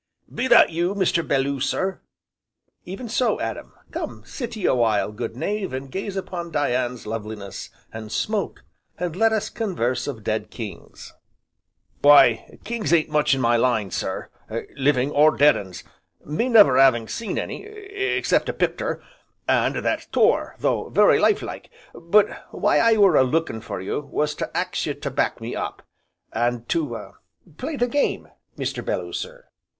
'" "Be that you, Mr. Belloo, sir?" "Even so, Adam. Come sit ye a while, good knave, and gaze upon Dian's loveliness, and smoke, and let us converse of dead kings." "Why, kings ain't much in my line, sir, living or dead uns, me never 'aving seen any except a pic'ter, and that tore, though very life like. But why I were a lookin' for you was to ax you to back me up, an' to play the game, Mr. Belloo sir."